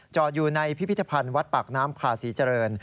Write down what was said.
อยู่ในพิพิธภัณฑ์วัดปากน้ำพาศรีเจริญ